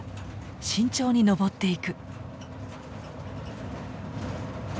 慎重に登っていく。